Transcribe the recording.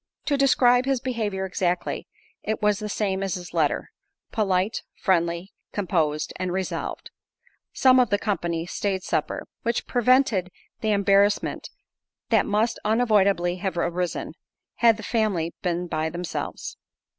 To describe his behaviour exactly, it was the same as his letter, polite, friendly, composed, and resolved. Some of the company staid supper, which prevented the embarrassment that must unavoidably have arisen, had the family been by themselves.